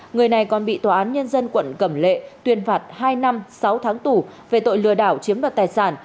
người này còn bị tòa án nhân dân quận cẩm lệ tuyên phạt hai năm sáu tháng tù về tội lừa đảo chiếm đoạt tài sản